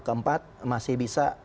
keempat masih bisa